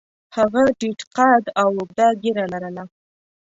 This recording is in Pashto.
هغه ټیټ قد او اوږده ږیره لرله.